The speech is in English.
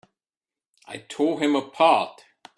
I tore him apart!